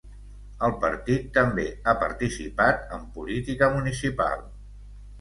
El partit també ha participat en política municipal.